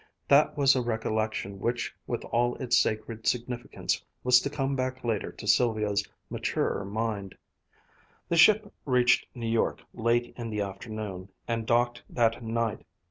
That was a recollection which with all its sacred significance was to come back later to Sylvia's maturer mind. The ship reached New York late in the afternoon, and docked that night.